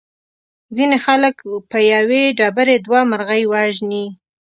ځینې خلک په یوې ډبرې دوه مرغۍ وژني.